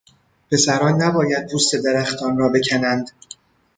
پسران نباید پوست درختان را بکنند.